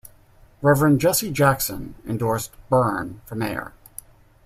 Reverend Jesse Jackson endorsed Byrne for mayor.